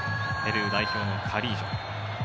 ペルー代表のカリージョ。